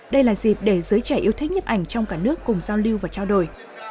đây là dịp để giới trẻ yêu thích nhấp ảnh trong cả nước cùng giao lưu và trao đổi